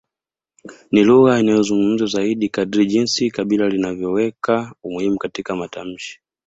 Ni lugha inayozungumzwa zaidi kadri jinsi kabila linavyoweka umuhimu katika matamshi